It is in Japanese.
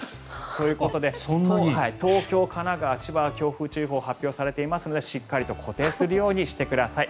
ということで、東京、神奈川千葉は強風注意報が発表されていますのでしっかり固定するようにしてください。